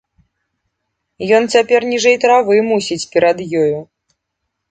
Ён цяпер ніжэй травы, мусіць, перад ёю.